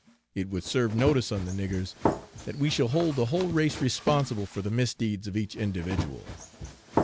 It would serve notice on the niggers that we shall hold the whole race responsible for the misdeeds of each individual."